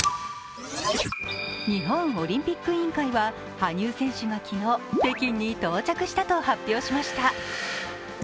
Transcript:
日本オリンピック委員会は羽生選手が昨日、北京に到着したと発表しました。